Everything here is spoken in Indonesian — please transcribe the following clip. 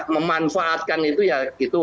memanfaatkan itu ya